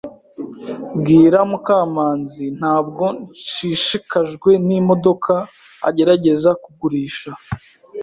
Bwira Mukamanzi Ntabwo nshishikajwe n'imodoka agerageza kugurisha.